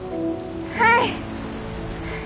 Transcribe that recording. はい。